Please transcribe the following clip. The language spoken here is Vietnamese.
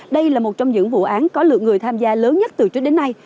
đây là một trong những vụ án có lượng người tham gia lớn nhất từ trước đến nay